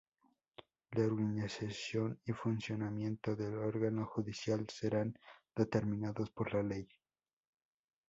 La organización y funcionamiento del Órgano Judicial serán determinados por la ley.